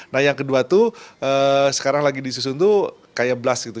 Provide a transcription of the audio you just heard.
nah yang kedua tuh sekarang lagi disusun tuh kayak blast gitu